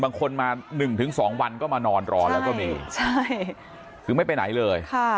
บางคนมาหนึ่งถึงสองวันก็มานอนรอแล้วก็มีใช่คือไม่ไปไหนเลยค่ะ